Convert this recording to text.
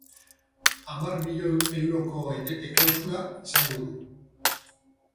Hamar milioi euroko etete-klausula izango du.